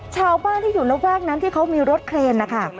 ชาวบ้านที่อยู่ระแวกนั้นที่เขามีรถเครนนะคะ